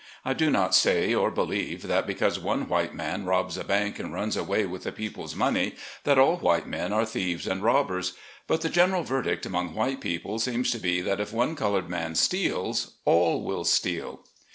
I do not say, or believe, that because one white man robs a bank and runs away with the people's money, that all white men are thieves and robbers. But the general verdict among white people seems to be that if one colored man steals, all will steal.